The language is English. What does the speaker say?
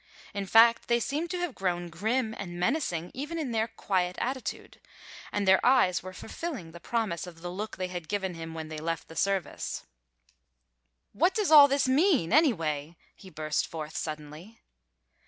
In fact, they seemed to have grown grim and menacing even in their quiet attitude, and their eyes were fulfilling the promise of the look they had given him when they left the service. "What does all this mean, anyway?" he burst forth, suddenly.